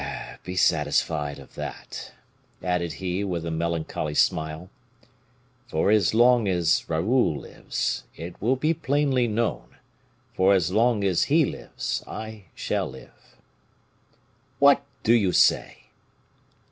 be satisfied of that," added he, with a melancholy smile; "for as long as Raoul lives, it will be plainly known, for as long as he lives, I shall live." "What do you say?"